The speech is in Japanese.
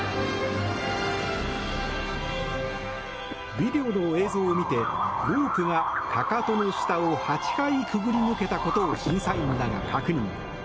ビデオの映像を見てロープが、かかとの下を８回くぐり抜けたことを審査員らが確認。